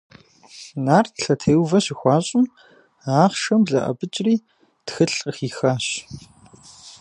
Нарт лъэтеувэ щыхуащӏым, ахъшэм блэӏэбыкӏри тхылъ къыхихащ.